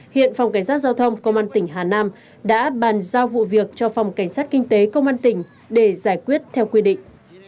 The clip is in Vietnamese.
hiện phòng cảnh sát giao thông công an tỉnh hà nam đã bàn giao vụ việc cho phòng cảnh sát kinh tế công an tỉnh để giải quyết theo quy định